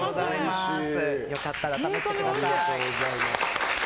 良かったら試してみてください。